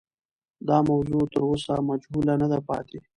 دا موضوع تر اوسه مجهوله نه ده پاتې.